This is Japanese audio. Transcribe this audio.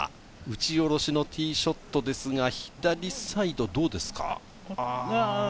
打ち下ろしのティーショットですが、左サイドどうですか？